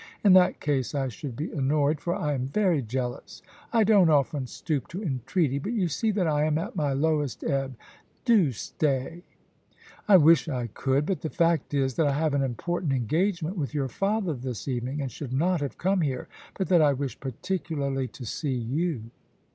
In that case I should be annoyed, for I am very jealous. I don't often stoop to entreaty, but you see that I am at my lowest ebb. Do stay.' ^ I wish I could ; but the fact is that I have an important ^ 76 POUCY AND PASSION. engagement with your father this evening, and should not have come here, but that I wished particularly to see you.